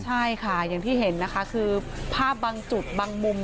ใช่ค่ะอย่างที่เห็นนะคะคือภาพบางจุดบางมุม